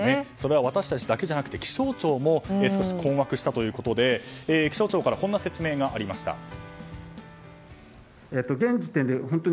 それは私たちだけではなく気象庁も困惑したということで気象庁からこんな説明がありました。